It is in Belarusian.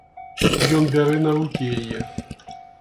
Ён бярэ на рукі яе.